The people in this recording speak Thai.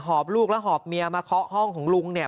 หอบลูกแล้วหอบเมียมาเคาะห้องของลุงเนี่ย